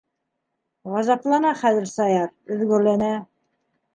Ғазаплана хәҙер Саяр, өҙгәләнә.